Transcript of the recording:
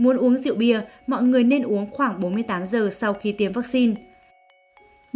nếu muốn uống rượu bia mọi người nên uống khoảng bốn mươi tám giờ sau khi tiêm vaccine